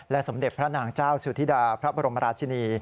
สมเด็จพระนางเจ้าสุธิดาพระบรมราชินี